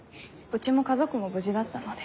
家も家族も無事だったので。